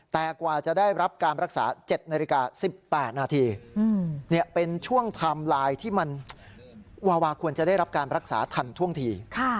แต่กว่าจะได้รับการรักษา๗นาฬิกา๑๘นาทีเป็นช่วงไทม์ไลน์ที่มันวาวาควรจะได้รับการรักษาทันท่วงที